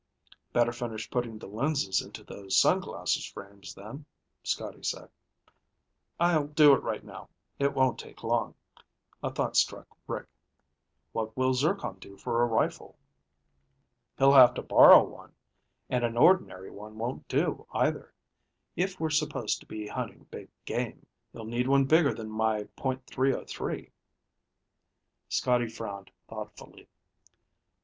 "Better finish putting the lenses into those sunglasses frames then," Scotty said. "I'll do it right now. It won't take long." A thought struck Rick. "What will Zircon do for a rifle?" "He'll have to borrow one, and an ordinary one won't do, either. If we're supposed to be hunting big game, he'll need one bigger than my .303." Scotty frowned thoughtfully.